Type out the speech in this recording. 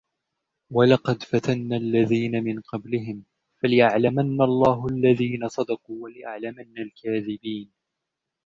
ولقد فتنا الذين من قبلهم فليعلمن الله الذين صدقوا وليعلمن الكاذبين